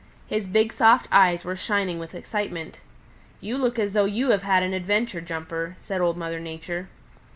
His big soft eyes were shining with excitement. "You look as though you had had an adventure, Jumper," said Old Mother Nature.